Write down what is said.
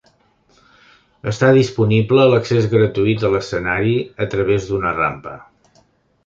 Està disponible l'accés gratuït a l'escenari a través d'una rampa.